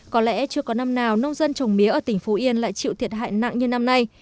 có lẽ chưa có năm nào nông dân trồng mía ở tỉnh phú yên lại chịu thiệt hại nặng như năm nay